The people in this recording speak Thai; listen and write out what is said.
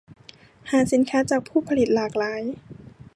หาสินค้าจากผู้ผลิตหลากหลาย